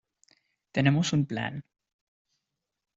tenemos un plan.